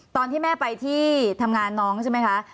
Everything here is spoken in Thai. ตอนที่แม่ไปที่ทำงานน้องใช่ไหมคะ